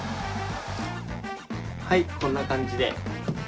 はいこんな感じで。